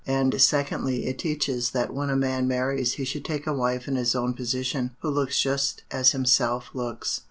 And, secondly, it teaches, that when a man marries, he should take a wife in his own position, who looks just as he himself looks.